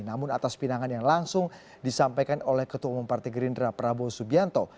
namun atas pinangan yang langsung disampaikan oleh ketua umum partai gerindra prabowo subianto